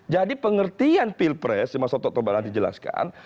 jadi pengertian pilpres yang mas otok tobar nanti jelaskan